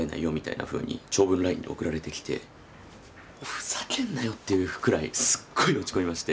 ふざけんなよというぐらいすっごい落ち込みまして。